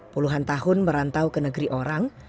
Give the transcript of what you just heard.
puluhan tahun merantau ke negeri orang